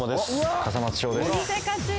笠松将です。